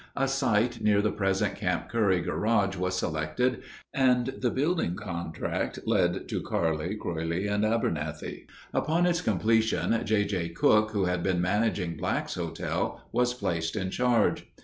A site near the present Camp Curry garage was selected, and the building contract let to Carle, Croly, and Abernethy. Upon its completion J. J. Cook, who had been managing Black's Hotel, was placed in charge.